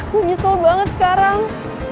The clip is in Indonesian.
gue nyesel banget sekarang